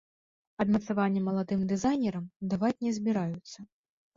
Адмацавання маладым дызайнерам даваць не збіраюцца.